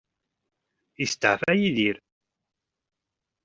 Isteɛfa Yidir.